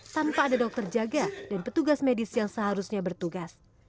tanpa ada dokter jaga dan petugas medis yang seharusnya bertugas